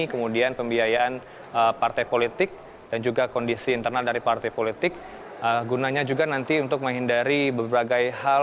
kemudian pembiayaan partai politik dan juga kondisi internal dari partai politik gunanya juga nanti untuk menghindari berbagai hal